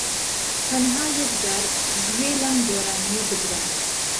تەنھا یەکجار گوێ لەم گۆرانیە بگرە